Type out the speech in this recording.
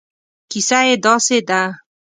کیسه یې داسې ده.